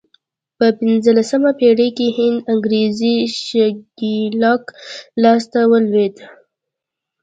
په پنځلسمه پېړۍ کې هند انګرېزي ښکېلاک لاس ته ولوېد.